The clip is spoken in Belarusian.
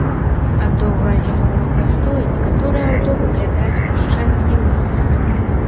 Ад доўгага зімовага прастою некаторыя аўто выглядаюць ушчэнт гнілымі.